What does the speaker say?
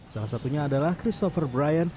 salah satunya adalah christopher brian